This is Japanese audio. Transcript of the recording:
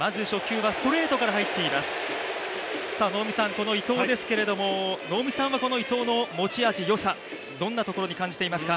この伊藤ですけれども能見さんはこの伊藤の持ち味、良さどんなところに感じていますか？